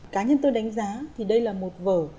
cá nhân tôi đánh giá thì đây là một vở